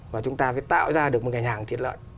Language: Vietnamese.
và chúng ta phải tạo ra được một ngành hàng thịt lợn